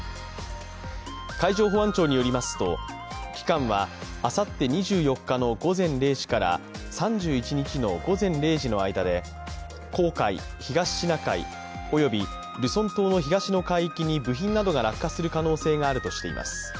海上保安庁によりますと期間はあさって２４日の午前０時から３１日の午前０時の間で、黄海、東シナ海及びルソン島の東の海域に部品などが落下する可能性があるとしています